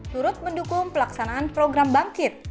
turut mendukung pelaksanaan program bangkit